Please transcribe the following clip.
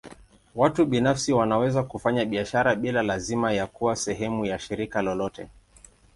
Watu binafsi wanaweza kufanya biashara bila lazima ya kuwa sehemu ya shirika lolote.